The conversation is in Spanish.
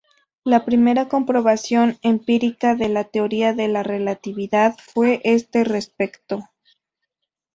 La primera comprobación empírica de la teoría de la relatividad fue a este respecto.